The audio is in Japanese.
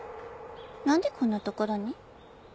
なんでこんな所に？